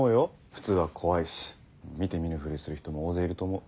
普通は怖いし見て見ぬふりする人も大勢いると思う。